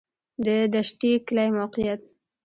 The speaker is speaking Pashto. د دشټي کلی موقعیت